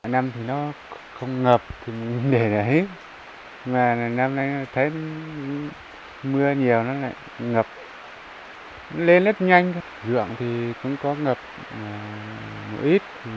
năm thì nó không ngập thì mình để đấy mà năm nay thấy mưa nhiều nó lại ngập lên rất nhanh rượu thì cũng có ngập một ít